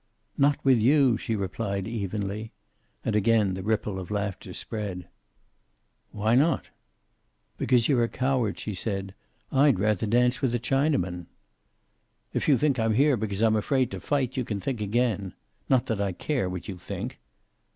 "Not with you," she replied, evenly. And again the ripple of laughter spread. "Why not?" "Because you're a coward," she said. "I'd rather dance with a Chinaman." "If you think I'm here because I'm afraid to fight you can think again. Not that I care what you think."